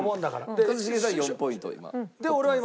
で一茂さんは４ポイント今。